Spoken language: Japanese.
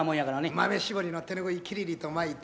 豆絞りの手拭いきりりと巻いて。